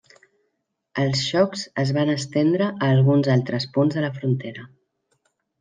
Els xocs es van estendre a alguns altres punts de la frontera.